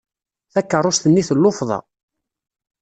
Takerrust-nni tellufḍa.